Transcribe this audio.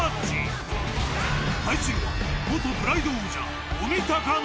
［対するは］